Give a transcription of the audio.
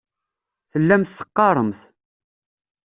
Tellamt teqqaremt.